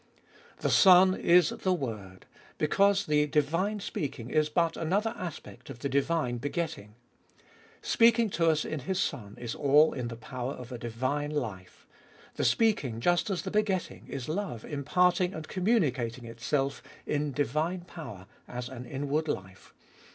4. The Son is the Word, because the divine speaking is but another aspect of the divine begetting. Speaking to us in His Son is all in the power of a divine life. The speaking, just as the begetting, is love imparting and communicating itself in divine power as an inward life.